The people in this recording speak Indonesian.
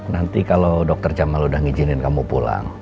nanti kalau dokter camal udah ngijinin kamu pulang